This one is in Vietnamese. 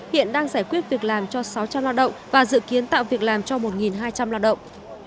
hiện đang giải quyết việc làm cho sáu trăm linh lao động và dự kiến tạo việc làm cho một hai trăm linh lao động